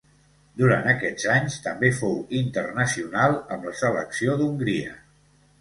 Durant aquests anys també fou internacional amb la selecció d'Hongria.